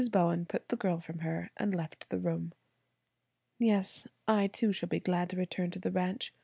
Bowen put the girl from her and left the room. "Yes, I, too, shall be glad to return to the ranch.